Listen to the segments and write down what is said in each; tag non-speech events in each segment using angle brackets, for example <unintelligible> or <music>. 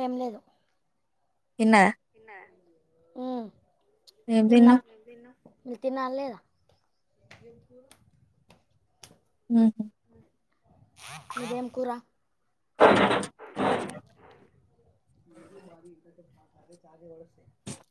ఏం లేదు హ్మ్ తిన్నాం మీరు తిన్నార లేద ఎపూ ఊహు మిదెం కుర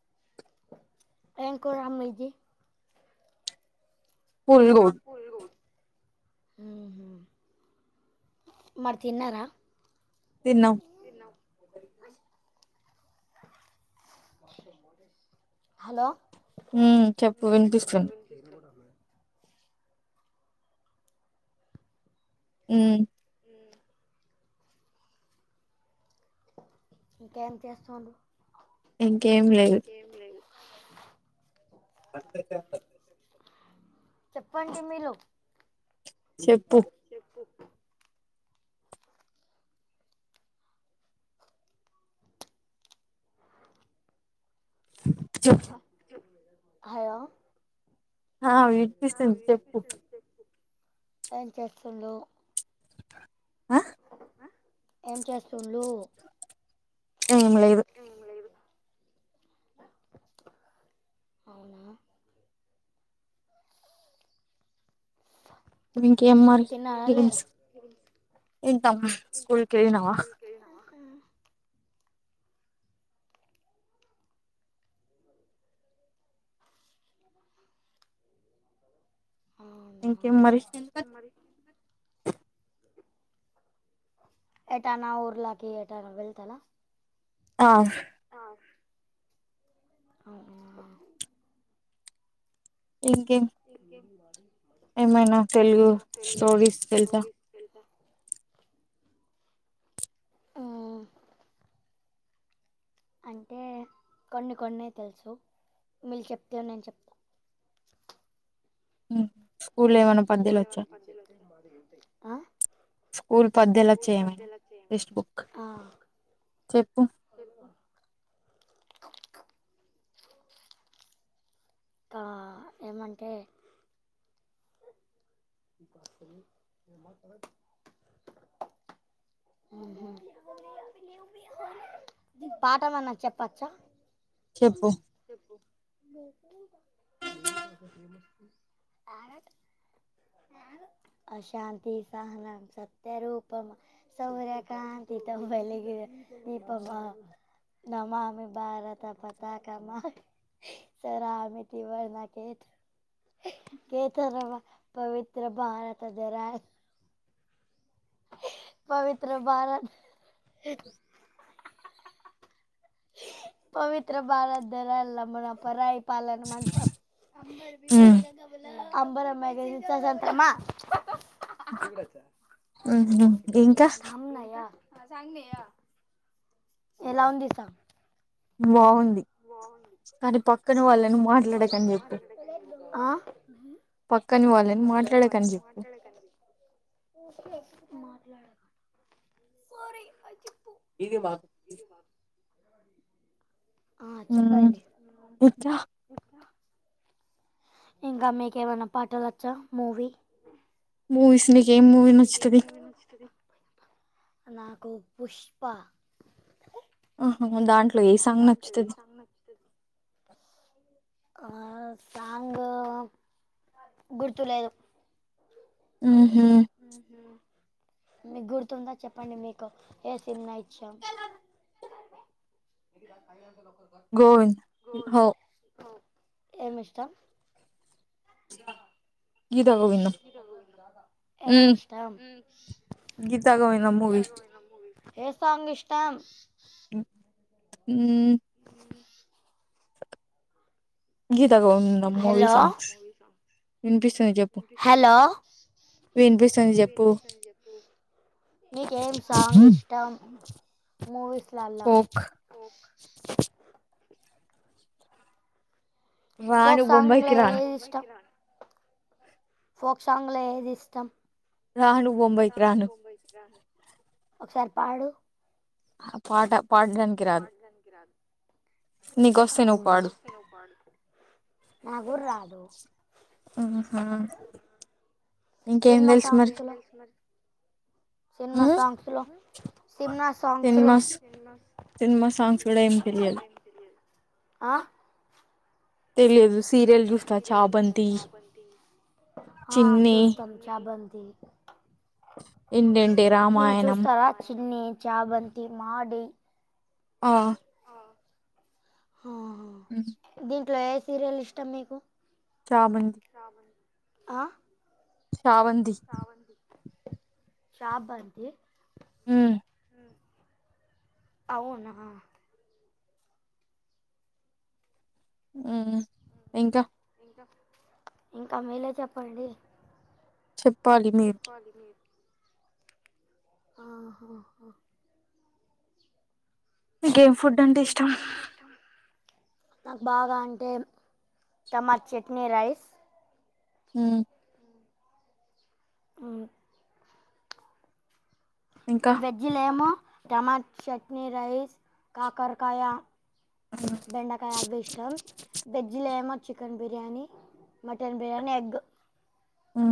<inaudible> ఏం కూర మీది <unintelligible> హుహు మరి తిన్నరా? హలో ఉమ్ చెప్పు వినిపిస్తుంది ఉ ఇంకా ఏం చేస్తాండ్రు? ఇంకేం లేదు చెప్పండి మీరు చెప్పు చెప్ హలో హ విన్పిస్తుంది చెప్పు ఏం చేస్తుండు ఏం చేస్తుండ్లు ఏమి లేదు అవునా ఇంకేం మరి పికిల్స్ ఏంటమ్మా స్కూల్కేనవా ఇంకేం మరి ఏటానా ఊర్లాకి ఎటాన వెళ్తనా ఆహ్ ఆహ్ అవునా ఇంకేం ఏమైనా తెల్గు స్టోరీస్ తెల్సా అంటే కొన్ని కొన్నే తెల్సు మీళ్ చెప్తే నేను చెప్తా ఉహ్ కూలేవనా పచెలో ఆ స్కూల్ పద్యాలచ్చ ఏమైనా టెక్స్ట్ బుక్ చెప్పు ఆ ఏమంటే హుహ్ పాఠమన్న చెప్పచ్చా <unintelligible> యాలు ఆ శాంతి సహనాం సత్య రూపమా సౌర్కాకాంతితో వేలిగి దీప్పమా నా మామి భారతప్పతాకామఆహ్ సరామి ట్రివర్నా కే-కేతనమా పవిత్ర భారత దరాజ పవిత్ర భారత్ పవిత్ర్ర బారతధరలా మన పరాయిపాలనమంతా <unintelligible> అంబరమ్యాగజిన్ ససంత్రమా తాంన్నాయా ఆ సాంగ్ ధేయ ఏలావున్ది సాంగ్? బావుంది ఆ పక్కని వాళ్ళని మాట్లాడ్కని చెప్పు మాట్లాడకు పోరి అది ఇది మాకు ఊ ఎట్లా ఇంకా మీకేవన్నా పాటలచ్చా మూవీ మూవీస్ నీకేం మూవి నచ్చుతది నాకు పుష్పా ఆహా దాంట్లో ఏ సాంగ్ నచ్చుతది ఆ సాంగూ గుర్తులేదు ఊహ్ ఉహూ మీ గుర్తుందా చెప్పండి మీకు ఏ సినిమ్నా ఇచ్చాం ఏందిరా సాయి గాంతోనున్నాం గోవింద్ హో ఏమిష్టం? గీతా గోవిందం ఏమిష్టం ఏ సాంగ్ ఇష్టం ఉ ఊ గీతా గోవిందం మూవీ సాంగ్స్ విన్పిస్తుంది చెప్పు విన్పిస్తుంది చెప్పు మీకేం సాంగ్ ఇష్టం మూవీస్లల్లా ఫోక్ సాంగ్ల ఏది ఇష్టం ఫోక్ సాంగ్ల ఏది ఇష్టం రాను బొంబైకి రాను ఒక్సారి పాడు ఆ పాట పాడ్డాన్కి రాదు అవునా నాగూడ్రాదూ ఉహు సిన్మా సాంగ్స్ లో సిన్మా సాంగ్స్లో సీన్మా సాంగ్స్లో సిన్మ సాంగ్స్ కూడా ఏం తెల్యదు అ తెలియదు సీరియల్ చూస్తా చాబంతీ ఆ చూస్తం చాబంతి మీలు చూస్తారా చిన్ని చాబంతి మా ఢీ అ ఆ హా దీంట్లో ఏ సీరియల్ ఇష్టం మీకూ అ చాబంతి ఊ అవునా ఊ ఇంకా ఇంకా మీలే చెప్పండి ఆహా హా ఇంకేం ఫుడ్ అంటే ఇష్టం నాకు బాగా అంటే టమాచ్చెట్నీ రైస్ ఊ ఉ వెజ్జి లేమో టమాచ్చట్నీ రైస్ కాకరకాయ బెండకాయ అవ్విష్టం బెజ్జిలేమో chicken biryani mutton biryani egg ఉహు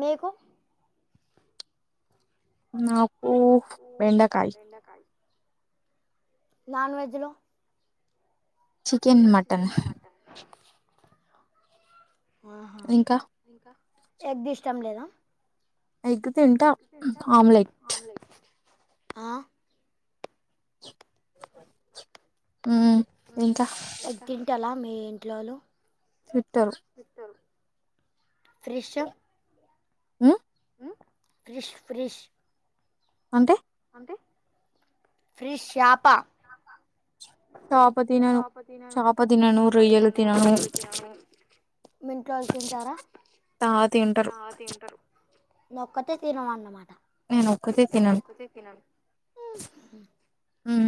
మీకూ నాక్ నాకూ బెండకాయి నాన్ వెజ్జ్ లో చికెన్ మటన్ ఆహా ఇంకా ఎగ్ ఇష్టం లేదా ఎగ్గ్ తింట ఆమ్లెట్ ఆ ఎగ్గ్ తింటాల మీ ఇంట్లోళ్ళు ఇత్తరు త్రిష హ్మ్ క్రిష్ ఫ్రిష్ అంటె ఫ్రిష్ శాప చాప తినను చాప తినను రొయ్యలు తినను మీ ఇంట్లో వళ్ళు తింటార నువోక్కతే తినవనమా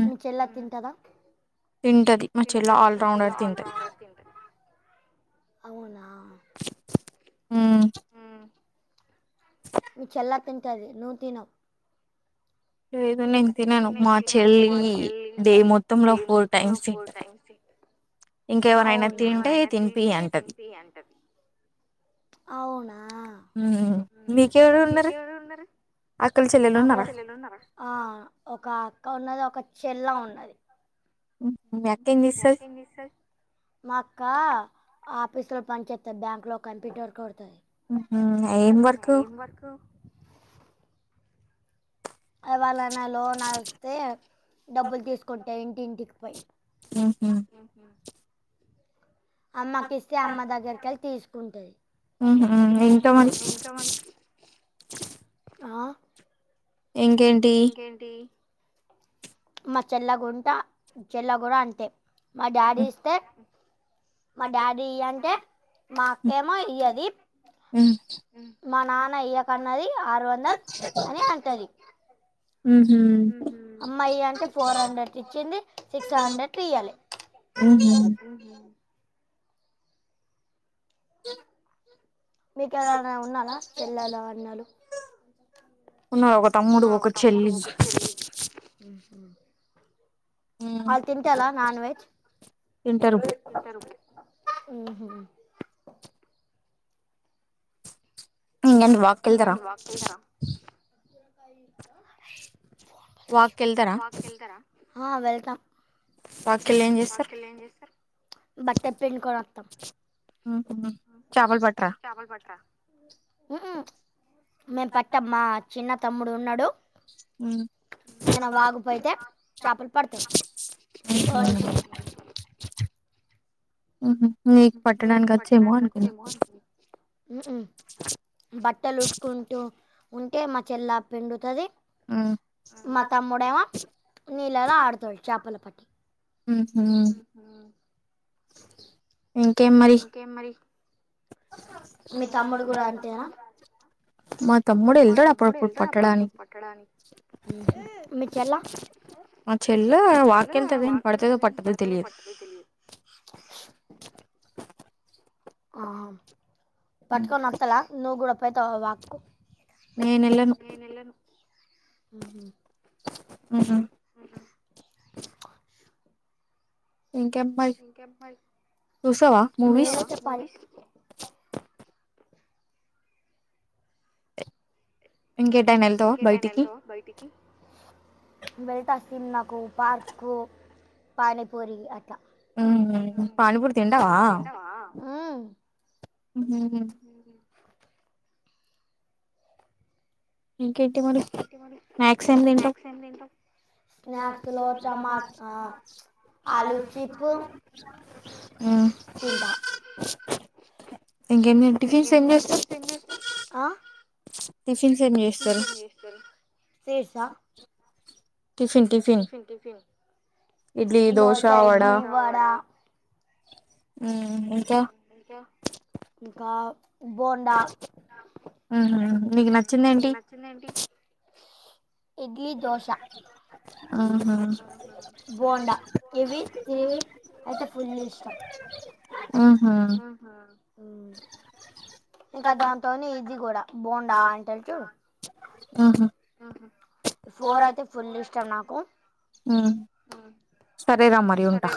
మీ చెల్లా తింటద తింటది మా చెల్ల ఆల్రౌండర్ తింటది అవునా హ్మ్ మీ చెల్ల తింటది నువ్ తినవ్ లేదు నేన్ తినను మా చెల్లి డే మొత్తంలో ఫోర్ టైమ్స్ థిన్ అవునా అవునా అక్కలు చెల్లెలు ఉన్నర ఆ ఒక అక్క ఉన్నది ఒక చెల్ల ఉన్నది మా అక్క ఆ ఫీసు లో పన్ చేత్తది బ్యాంక్ లో కంప్యూటర్ కొడతది హ్మ్ హు ఏం వర్కు ఎవలన లోన్ ఈస్తే డబ్బులు తీసుకుంటె ఇంటింటికి పోయి హ్మ్ హు అమ్మ కిస్తే అమ్మ దగ్గరకెళ్ తీసుకుంటది ఉహ్మ్ ఎంత మం ఇంకేంటి మా చెల్ల గుంట చెల్లగూడ అంతే మా డాడీ ఇస్తే మా డాడీ ఇయ్యంటే మాక్కేమో ఇయ్యది మా నాన్న ఇయ్యకన్నది ఆరు వందల్ అని అంటది అమ్మ ఈ అంటే ఫోర్ హండ్రెడ్ ఇచ్చింది సిక్స్ హండ్రెడ్ ఇయ్యలే ఉహ్మ్ మీకెవలాన్న ఉన్నాల చెల్లాల అన్నలు ఉన్నారు ఒక తమ్ముడు ఒక చెల్లి అల్ తింటల నాన్ వెజ్ ఉహ్మ్ ఇంగెంటి వాకెళ్తరా వాకెళ్తర ఆ వెళ్తా వాకెళ్లి ఏం చేస్తరు బట్టల్ పిండుకొని ఒత్తమ్ మ్ హు చాపల్ పట్రా మ్ హు మేము పట్టం మా చిన్న తమ్ముడు ఉన్నడు మ్ అయన వాగుపైతే చాపలు పడుతడు ఓ నీతో ఉహ్మ్ నీకు పట్టడానికి అచ్చిండా అనుకున్న హ్మ్ హ్మ్ బట్టలు ఉట్టుకుంటూ ఉంటే మా చెల్ల పిండుతది మా తమ్ముడా నీళ్ళల ఆడుతడు చపల తోటి ఉహ్మ్ ఇంకే మరి మ తమ్ముడేళ్తాడు అప్పుడప్పుడు పట్టడానికి మ్ హు మీ చెల్ల ఆ చెల్ల వాక్ కెళ్తది కానీ పడుతదో పట్టదో తెలియద్ ఆ హా పట్టుకొని ఒత్తల నువ్వు కూడా పోతావ వాక్కు నేను ఎల్లను అ హా మ్ అవున ఇంకేం మరి చూస్తావా మూవీస్ ఇంక ఎటైనా ఏల్త బైటికి సినిమాకు పార్కు పానీపూరి అట్ మ్ మ్ పనిపూరి తింటావా హు మ్ ఇంకేంటి మరి మాక్స్ ఏం తింటావ్ స్నాక్స్ లో టమాటా మ్ ఇంకేమీ టిఫిన్స్ ఏం చేస్తావ్ టిఫిన్స్ ఏం చేస్తారు టిఫీన్ టిఫీన్ దోసా ఇడ్లీ వడా మ్ ఇంకా ఇంకా ఆహా ఆహా నీకు నచ్చింది ఏంటి దోస అహ ఆ ఆహా మ్ ఇంకా దాంతోనీ ఇది కూడా బోండా అంట చూ అహ ఇ ఫోర్ అయితే ఫుల్ ఇష్టం నాకు మ్ సరేరా మరి ఉంటా